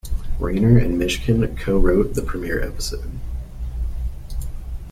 Reiner and Mishkin co-wrote the premiere episode.